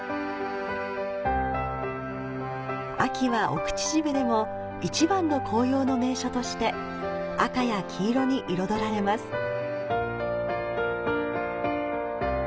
秋は奥秩父でも一番の紅葉の名所として、赤や黄色に彩られます。